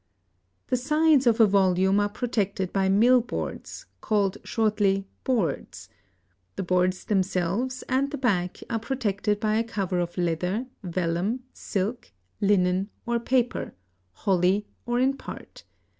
The sides of a volume are protected by millboards, called shortly "boards." The boards themselves and the back are protected by a cover of leather, vellum, silk, linen, or paper, wholly or in part.